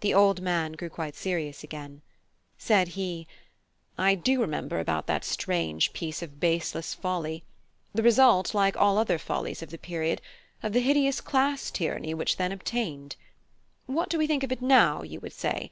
The old man grew quite serious again. Said he: "I do remember about that strange piece of baseless folly, the result, like all other follies of the period, of the hideous class tyranny which then obtained. What do we think of it now? you would say.